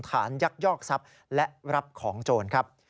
ยักยอกทรัพย์และรับของโจรครับ